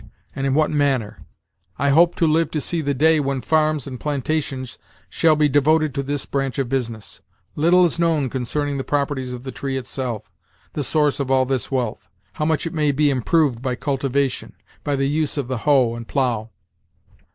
and in what manner? I hope to live to see the day when farms and plantations shall be devoted to this branch of business. Little is known concerning the properties of the tree itself, the source of all this wealth; how much it may be improved by cultivation, by the use of the hoe and plough."